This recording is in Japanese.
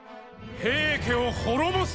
平家を滅ぼす。